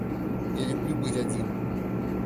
Я люблю быть один.